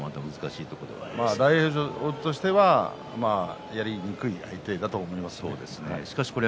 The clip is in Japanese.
大栄翔としてはやりにくい相手だと思います。